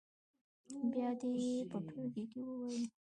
بیا دې یې په ټولګي کې ووايي.